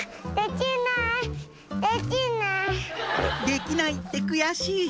「できないって悔しい！」